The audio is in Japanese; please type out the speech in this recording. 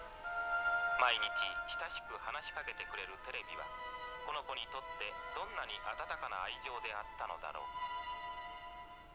毎日親しく話しかけてくれるテレビはこの子にとってどんなに温かな愛情であったのだろう」。